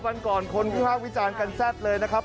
วันก่อนคนพี่ภาพวิจารณ์กันแซ่ดเลยนะครับ